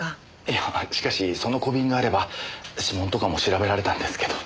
いやしかしその小瓶があれば指紋とかも調べられたんですけど。